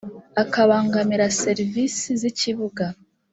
akabangamira serivisi z ikibuga